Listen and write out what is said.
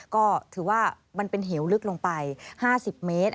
ก็ถือว่ามันเป็นเหวลึกลงไป๕๐เมตร